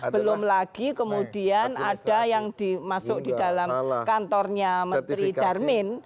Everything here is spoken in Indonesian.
belum lagi kemudian ada yang dimasuk di dalam kantornya menteri darmin